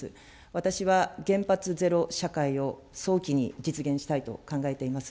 私は、原発ゼロ社会を早期に実現したいと考えています。